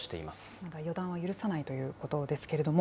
まだ予断は許さないということですけれども。